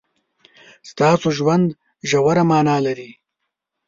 ستاسو ژوند ژوره مانا لري.